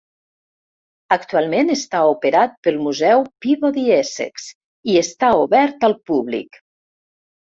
Actualment està operat pel museu Peabody Essex i està obert al públic.